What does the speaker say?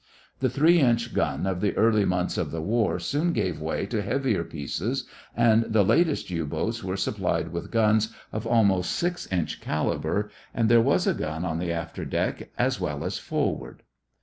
The 3 inch gun of the early months of the war soon gave way to heavier pieces and the latest U boats were supplied with guns of almost 6 inch caliber and there was a gun on the after deck as well as forward.